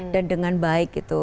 dan dengan baik gitu